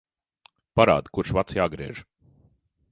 Parādi, kurš vads jāgriež.